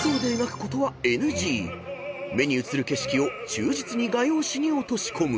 ［目に映る景色を忠実に画用紙に落とし込む］